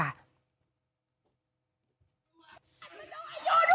ก็จะมีเสียงผู้หญิงเสียงผู้ชายเสียงตำรวจนะครับ